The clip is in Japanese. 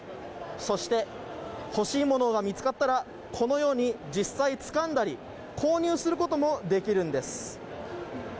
そして、欲しい物が見つかったらこのように、実際つかんだり購入することもできるんです。